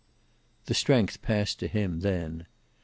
The strength passed to him, then.